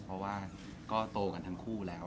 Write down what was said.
เพราะว่าก็โตกันทั้งคู่แล้ว